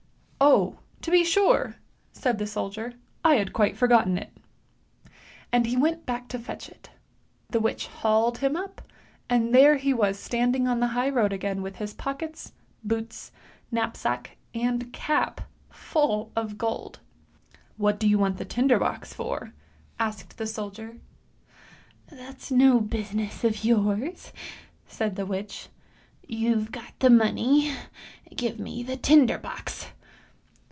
"" Oh! to be sure! " said the soldier. " I had quite forgotten it." And he went back to fetch it. The witch hauled him up, and there he was standing on the high road again with his pockets, boots, knapsack, and cap full of gold. " What do you want the tinder box for? " asked the soldier. " That's no business of yours," said the witch. ' You've got the money; give me the tinder box!